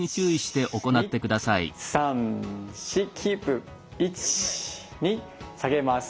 １２３４キープ１２下げます。